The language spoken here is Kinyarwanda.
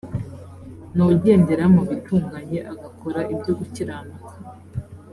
ni ugendera mu bitunganye agakora ibyo gukiranuka